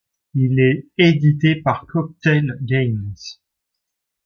Il est édité par Cocktailgames.